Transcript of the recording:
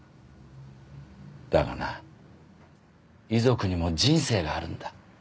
だがな遺族にも人生があるんだ。